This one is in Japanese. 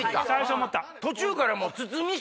途中から。